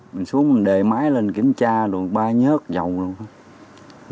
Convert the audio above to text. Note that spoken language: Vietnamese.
mình xuống mình đề máy lên kiểm tra luôn ba nhớt dầu luôn hết